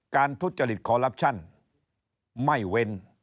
ทุจริตคอลลับชั่นไม่เว้น